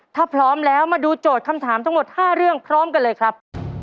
ถ้าพร้อมแล้วมาดูโจทย์คำถามทั้งหมด๕เรื่องพร้อมกันเลยครับ